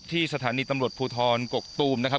สถานีตำรวจภูทรกกตูมนะครับ